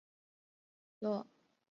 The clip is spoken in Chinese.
奥斯特洛修道院。